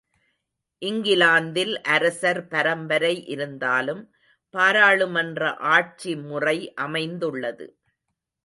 இங்கிலாந்தில் அரசர் பரம்பரை இருந்தாலும் பாராளுமன்ற ஆட்சி முறை அமைந்துள்ளது.